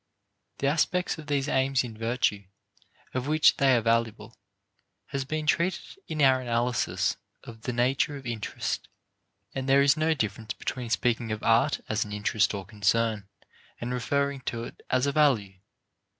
The aspect of these aims in virtue of which they are valuable has been treated in our analysis of the nature of interest, and there is no difference between speaking of art as an interest or concern and referring to it as a value.